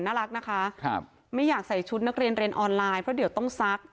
น่ารักนะคะไม่อยากใส่ชุดนักเรียนเรียนออนไลน์เพราะเดี๋ยวต้องซัก